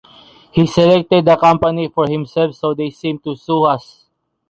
He selected the company for himself so they seem to sue us.